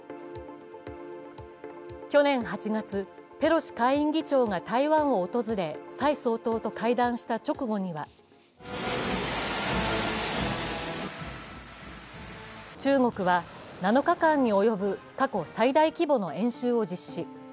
去年８月、ペロシ下院議長が台湾を訪れ蔡総統と会談した直後には中国は、７日間に及ぶ過去最大規模の演習を実施。